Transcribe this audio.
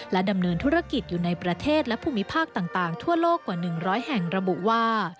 ดำเนินธุรกิจอยู่ในประเทศและภูมิภาคต่างทั่วโลกกว่า๑๐๐แห่งระบุว่า